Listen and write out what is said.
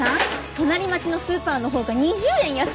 隣町のスーパーのほうが２０円安くてよ。